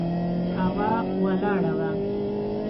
هوا ولاړه وه.